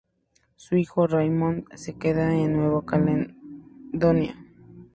Su hijo Raymond se queda en Nueva Caledonia.